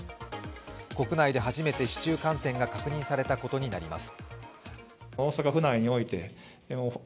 国内で初めて市中感染が確認されたことになります。